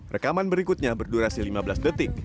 rekaman berikutnya berdurasi lima belas detik